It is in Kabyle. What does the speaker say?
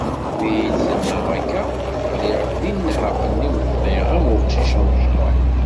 Mi yi-d-tenna akka, ɣliɣ-d deg nnheq n yimeṭṭi am uqcic amecṭuḥ.